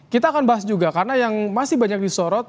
kita akan bahas juga karena yang masih banyak disorot